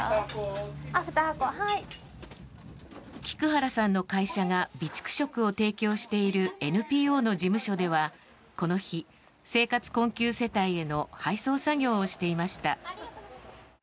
菊原さんの会社が備蓄食を提供しているＮＰＯの事務所では、この日生活困窮世帯への配送作業をしていました。